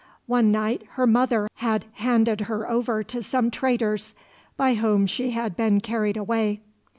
One night her mother had handed her over to some traders, by whom she had been carried away.